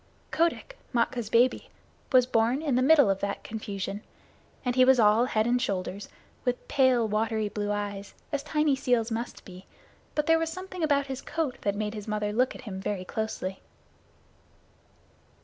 Kotick, Matkah's baby, was born in the middle of that confusion, and he was all head and shoulders, with pale, watery blue eyes, as tiny seals must be, but there was something about his coat that made his mother look at him very closely.